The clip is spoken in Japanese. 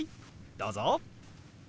どうぞ。